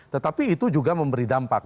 tetapi itu juga memberi dampak